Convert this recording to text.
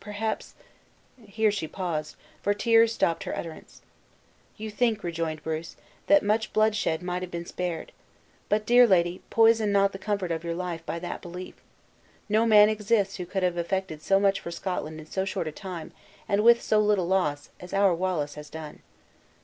perhaps " Here she paused, for tears stopped her utterance. "You think," rejoined Bruce, "that much bloodshed might have been spared! But, dear lady, poison not the comfort of your life by that belief. No man exists who could have effected so much for Scotland in so short a time, and with so little loss, as our Wallace has done.